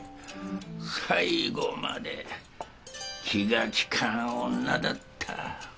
最後まで気が利かん女だった。